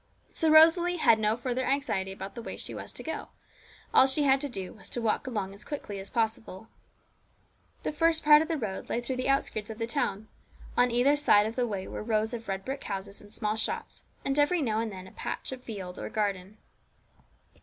So Rosalie had no further anxiety about the way she was to go. All she had to do was to walk along as quickly as possible. The first part of the road lay through the outskirts of the town; on either side of the way were rows of red brick houses and small shops, and every now and then a patch of field or garden.